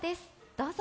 どうぞ！